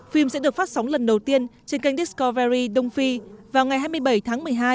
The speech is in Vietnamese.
phim sẽ được phát sóng lần đầu tiên trên kênh discowery đông phi vào ngày hai mươi bảy tháng một mươi hai